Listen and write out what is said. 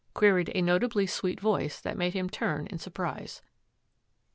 " queried a notably sweet voice that made him turn in surprise.